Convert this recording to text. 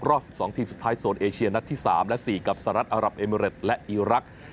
รอบ๑๒ทีมสุดท้ายโซนเอเชียนัดที่๓และ๔กับสหรัฐอารับเอเมริตและอีรักษ์